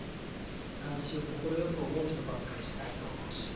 さんしを快く思う人ばっかりじゃないと思うし。